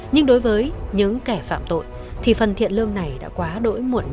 nhưng đối với những kẻ phạm tội thì phần thiện lương này đã quá đỗi muộn mà